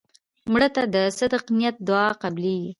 مړه ته د صدق نیت دعا قبلیږي